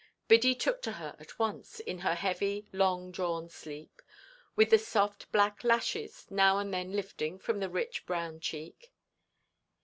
Biddy took to her at once, in her heavy, long–drawn sleep, with the soft black lashes now and then lifting from the rich brown cheek.